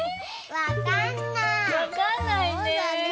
わかんないね。